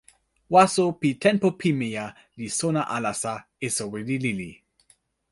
waso pi tenpo pimeja li sona alasa e soweli lili.